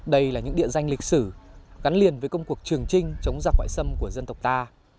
đây là những địa danh lịch sử gắn liền với công cuộc trường trinh chống giặc ngoại xâm của dân tộc ta